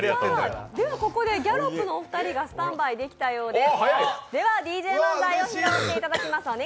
ここでギャロップのお二人がスタンバイできたようです。